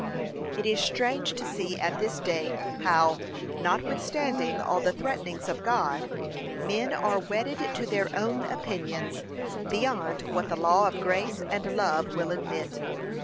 It is strange to see at this day how, not withstanding all the threatenings of God, men are wedded to their own opinions, beyond what the law of grace and love will admit.